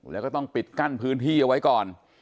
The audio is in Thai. แล้วก็ต้องปิดกั้นพื้นที่เอาไว้ก่อน